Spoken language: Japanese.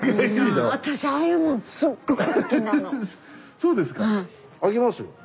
そうですか。